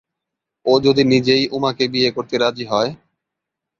ও যদি নিজেই উমাকে বিয়ে করতে রাজি হয়?